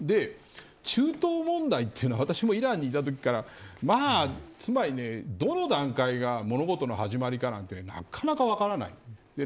中東問題というのは私もイランにいたときからどの段階が物事の始まりかはなかなか分からないんです。